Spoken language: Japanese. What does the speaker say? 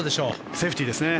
セーフティーですね。